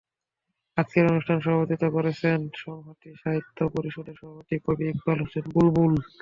আজকের অনুষ্ঠানে সভাপতিত্ব করছেন সংহতি সাহিত্য পরিষদের সভাপতি কবি ইকবাল হোসেন বুলবুল।